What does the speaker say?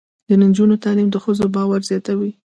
د نجونو تعلیم د ښځو باور زیاتوي.